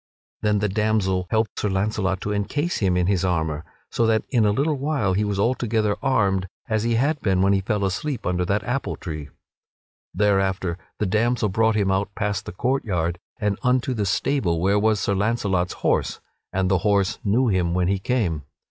Then the damsel helped Sir Launcelot to encase him in his armor, so that in a little while he was altogether armed as he had been when he fell asleep under that apple tree. Thereafter the damsel brought him out past the court yard and unto the stable where was Sir Launcelot's horse, and the horse knew him when he came.